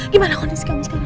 gimana kondisi kamu sekarang